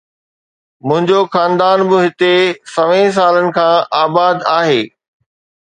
منهنجو خاندان به هتي سوين سالن کان آباد آهي